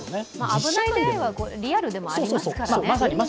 危ない出会いはリアルでもありますからね。